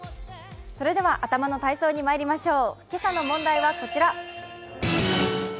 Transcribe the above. それでは頭の体操にまいりましょう。